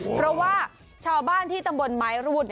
เพราะว่าชาวบ้านที่ตำบลไม้รูด